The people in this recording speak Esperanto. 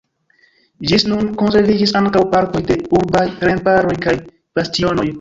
Ĝis nun konserviĝis ankaŭ partoj de urbaj remparoj kaj bastionoj.